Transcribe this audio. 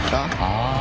ああ。